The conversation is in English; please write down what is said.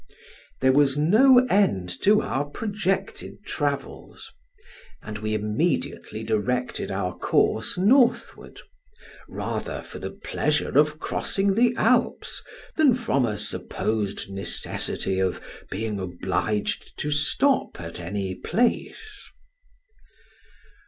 There was no end to our projected travels, and we immediately directed our course northward, rather for the pleasure of crossing the Alps, than from a supposed necessity of being obliged to stop at any place.